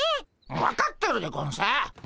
分かってるでゴンス。